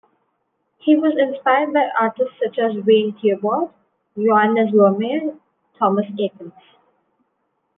He was inspired by artists such as Wayne Thiebaud, Johannes Vermeer, Thomas Eakins.